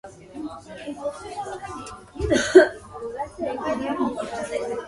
There is a regular bus traffic between Dusheti and Tbilisi.